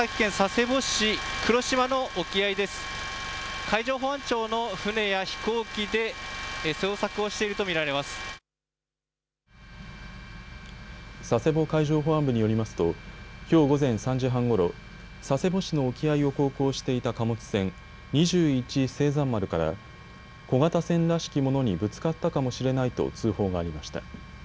佐世保海上保安部によりますときょう午前３時半ごろ、佐世保市の沖合を航行していた貨物船、２１盛山丸から小型船らしきものにぶつかったかもしれないと通報がありました。